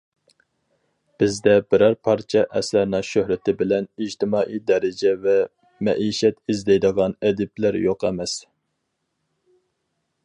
بىزدە بىرەر پارچە ئەسەرنىڭ شۆھرىتى بىلەن ئىجتىمائىي دەرىجە ۋە مەئىشەت ئىزدەيدىغان ئەدىبلەر يوق ئەمەس.